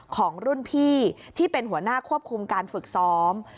ของรุ่นพี่ที่เป็นหัวหน้าควบคุมการฝึกซ้อม